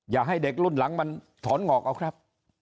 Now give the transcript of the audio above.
อย่าให้เด็กรุ่นหลังมันถอนหงอกเอาครับ